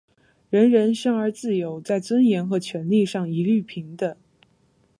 人人生而自由，在尊严和权利上一律平等。